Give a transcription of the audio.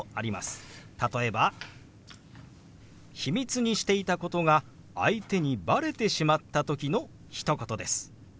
例えば秘密にしていたことが相手にばれてしまった時のひと言です。